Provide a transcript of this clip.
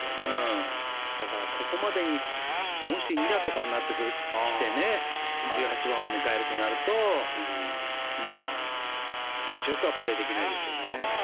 だから、ここまでにもし２打とかになってきて１８番を迎えるとなると気持ちよくはプレーできないですよね。